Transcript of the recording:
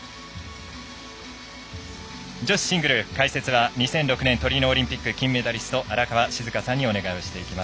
女子シングル解説は２００６年トリノオリンピック金メダリスト、荒川静香さんにお願いをしていきます。